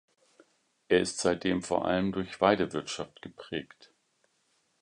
Er ist seitdem vor allem durch Weidewirtschaft geprägt.